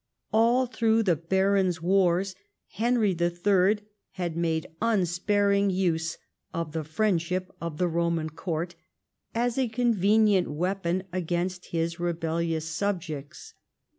All through the Barons' Wars, Henry III. had made unsparing use of the friendship of the Roman Court, as a convenient weapon against his rebellious subjects.